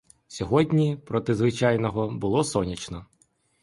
Сьогодні, проти звичайного, було сонячно.